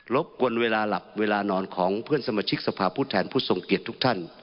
บกวนเวลาหลับเวลานอนของเพื่อนสมาชิกสภาพผู้แทนผู้ทรงเกียจทุกท่าน